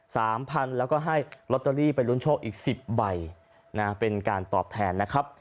สามพันแล้วก็ให้ลอตเตอรี่ไปลุ้นโชคอีกสิบใบนะเป็นการตอบแทนนะครับ